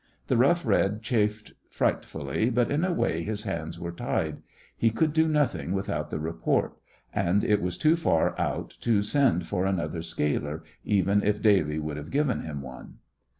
The Rough Red chafed frightfully, but in a way his hands were tied. He could do nothing without the report; and it was too far out to send for another scaler, even if Daly would have given him one.